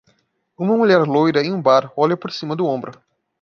Uma mulher loira em um bar olha por cima do ombro.